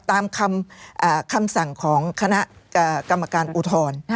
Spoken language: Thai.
ตามคำสั่งของคณะกรรมการอุทธรณ์